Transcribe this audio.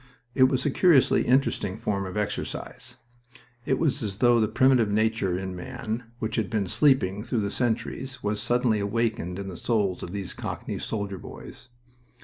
It was a curiously interesting form of exercise. It was as though the primitive nature in man, which had been sleeping through the centuries, was suddenly awakened in the souls of these cockney soldier boys.